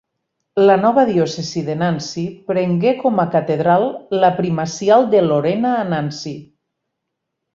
La nova diòcesi de Nancy prengué com a catedral la primacial de Lorena a Nancy.